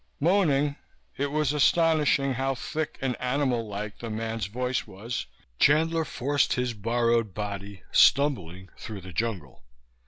Moaning it was astonishing how thick and animal like the man's voice was Chandler forced his borrowed body stumbling through the jungle.